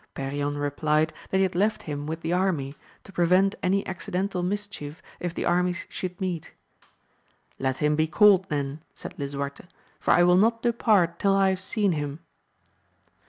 Perion replied that he had left him with the army, to prevent any accidental mischief if the armies should meet. Let him be called then, said Lisuarte, for I will not depart till I have seen him.